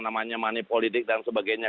namanya money politik dan sebagainya